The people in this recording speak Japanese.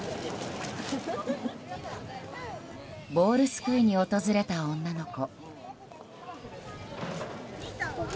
ボールすくいに訪れた女の子。